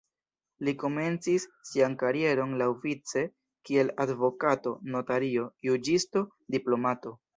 Li komencis sian karieron laŭvice kiel advokato, notario, juĝisto, diplomato.